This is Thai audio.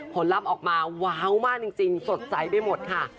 ลัพธ์ออกมาว้าวมากจริงสดใสไปหมดค่ะ